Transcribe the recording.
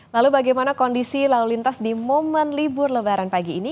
lalu bagaimana kondisi lalu lintas di momen libur lebaran pagi ini